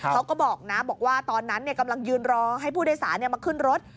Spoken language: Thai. เขาก็บอกนะบอกว่าตอนนั้นกำลังยืนรอให้ผู้โดยสารมาขึ้นรถ